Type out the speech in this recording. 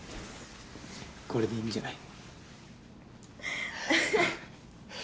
これでいいんじゃない？